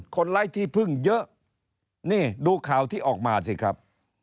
ไร้ที่พึ่งเยอะนี่ดูข่าวที่ออกมาสิครับ